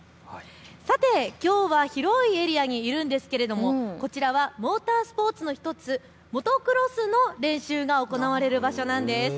さて、きょうは広いエリアにいるんですけれどこちらはモータースポーツの１つモトクロスの練習が行われる場所なんです。